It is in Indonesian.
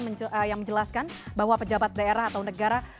yang menjelaskan bahwa pejabat daerah atau negara